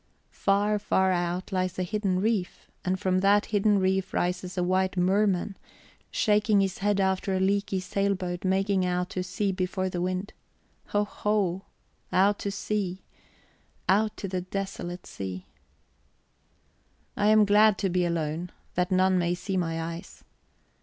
Far, far out lies a hidden reef, and from that hidden reef rises a white merman, shaking his head after a leaky sailboat making out to sea before the wind. Hoho! out to sea, out to the desolate sea... I am glad to be alone, that none may see my eyes.